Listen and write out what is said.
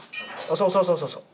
そうそうそうそうそう。